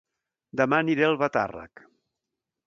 Dema aniré a Albatàrrec